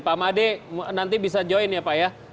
pak made nanti bisa join ya pak ya